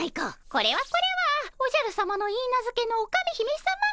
これはこれはおじゃるさまのいいなずけのオカメ姫さま。